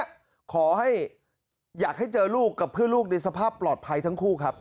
ขอให้อยากให้เจอลูกกับเพื่อนลูกในสภาพปลอดภัยทั้งคู่ครับ